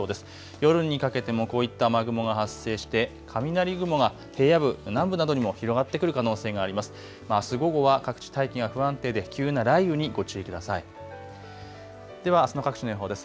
夜にかけてもこういった雨雲が発生して雷雲が平野部、南部などにも広がってくる可能性があります。